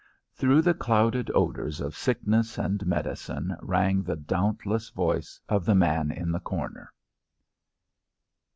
Through the clouded odours of sickness and medicine rang the dauntless voice of the man in the corner.